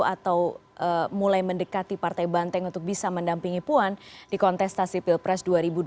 atau mulai mendekati partai banteng untuk bisa mendampingi puan di kontestasi pilpres dua ribu dua puluh